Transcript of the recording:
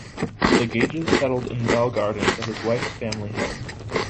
The Gages settled in Bell Gardens at his wife's family home.